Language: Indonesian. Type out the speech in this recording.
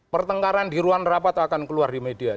pertengkaran di ruang rapat akan keluar di media